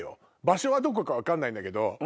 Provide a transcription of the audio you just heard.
場所はどこか分かんないんだけど。